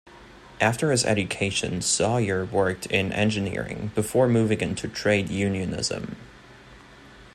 After his education, Sawyer worked in engineering, before moving into trade unionism.